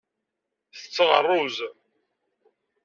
Setteɣ ṛṛuz.